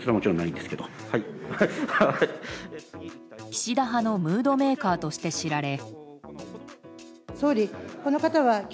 岸田派のムードメーカーとして知られ。